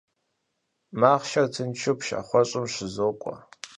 Махъшэр тыншу пшахъуэщӀым щызокӀуэ.